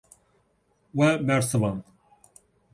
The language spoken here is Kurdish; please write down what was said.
We bersivand.